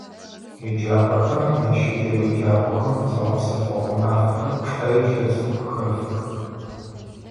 Еджапӏэхэм ащеджэрэ еджакӏохэм зыгъэпсэфыгъо мафэхэр плӏэ илъэсым къыхэфэх.